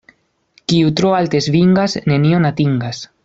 Kiu tro alte svingas, nenion atingas.